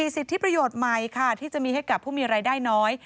สิทธิประโยชน์ใหม่ค่ะที่จะมีให้กับผู้มีรายได้น้อย